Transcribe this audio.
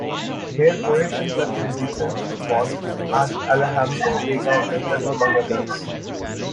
Here poets and such musicians were born, as Alejandro Vega Matus among others.